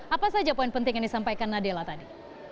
apa saja poin penting yang disampaikan nadela tadi